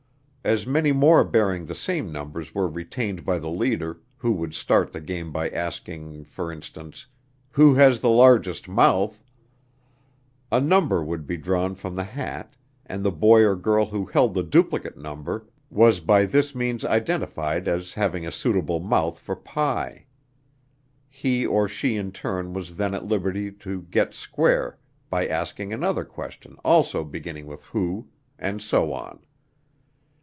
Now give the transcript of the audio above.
As many more bearing the same numbers were retained by the leader, who would start the game by asking, for instance: "Who has the largest mouth?" A number would be drawn from the hat and the boy or girl who held the duplicate number was by this means identified as having a suitable mouth for pie. He or she in turn was then at liberty to get square by asking another question also beginning with "who," and so on.